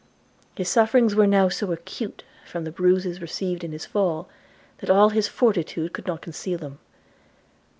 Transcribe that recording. His sufferings were now so acute, from the bruises received in his fall, that all his fortitude could not conceal them.